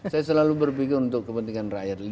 saya selalu berpikir untuk kepentingan rakyat